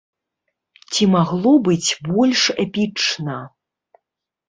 Ці магло быць больш эпічна?